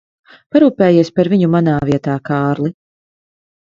Parūpējies par viņu manā vietā, Kārli.